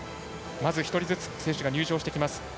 まず１人ずつ選手が入場してきます。